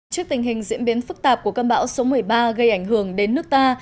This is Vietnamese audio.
trước tình hình diễn biến phức tạp của cơn bão số một mươi ba gây ảnh hưởng đến nước ta